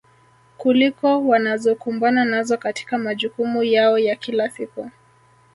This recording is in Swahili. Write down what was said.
kuliko wanazokumbana nazo katika majukumu yao ya kila siku